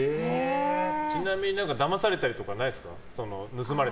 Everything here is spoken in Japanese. ちなみにだまされたりとかないですか？